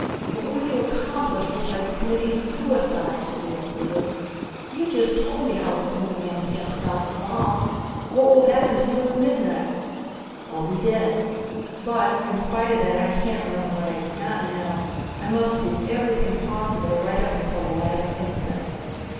"What will you accomplish besides committing suicide?" Lea pleaded. "You just told me how a single man can't stop the bombs. What will happen to you at midnight?" "I'll be dead but in spite of that I can't run away. Not now. I must do everything possible right up until the last instant.